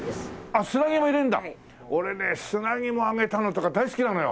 俺ね砂肝を揚げたのとか大好きなのよ。